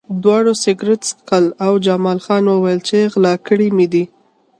دواړو سګرټ څښل او جمال خان وویل چې غلا کړي مې دي